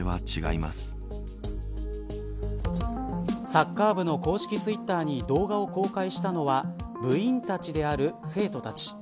サッカー部の公式ツイッターに動画を公開したのは部員たちである生徒たち。